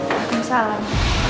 bapak bisa alam